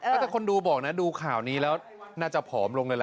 แต่คนที่ดูบอกโดนดูข่าวนี้แล้วยิ่งจะผอมให้ลงดิละ